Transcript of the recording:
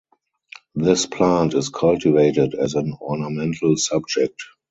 This plant is cultivated as an ornamental subject.